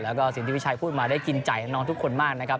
แล้วก็สิ่งที่พี่ชัยพูดมาได้กินใจน้องทุกคนมากนะครับ